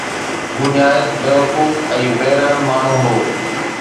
هُو نهايت بيوقوف ۽ بي رحم ماڻهو هو